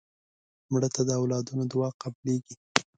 مړه ته د اولادونو دعا قبلیږي